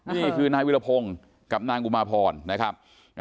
นี่คือนายวิรพงศ์กับนางอุมาพรนะครับ